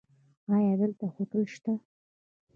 ایا دلته هوټل شته؟